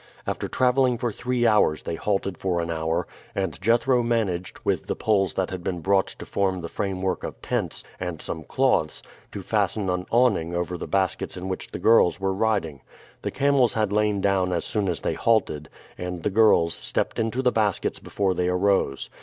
After traveling for three hours they halted for an hour, and Jethro managed, with the poles that had been brought to form the framework of tents, and some cloths, to fasten an awning over the baskets in which the girls were riding. The camels had lain down as soon as they halted, and the girls stepped into the baskets before they arose.